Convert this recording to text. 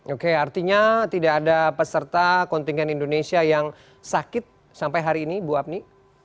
oke artinya tidak ada peserta kontingen indonesia yang sakit sampai hari ini bu apni